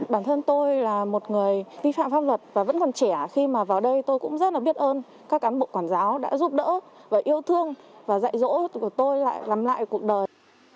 bản thân tôi là một người vi phạm pháp luật và vẫn còn trẻ khi mà vào đây tôi cũng rất là biết ơn các cán bộ quản giáo đã giúp đỡ và yêu thương và dạy dỗ của tôi lại làm lại cuộc đời